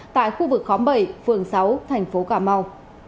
tại khu vực khóm bảy phường sáu thành phố cà mau